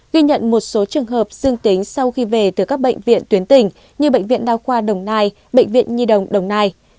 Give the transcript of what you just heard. ghi nhận một số trường hợp dương tính sau khi về từ các bệnh viện tuyến tỉnh như bệnh viện đa khoa đồng nai bệnh viện nhi đồng đồng nai